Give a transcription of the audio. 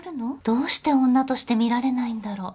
どうして女として見られないんだろう？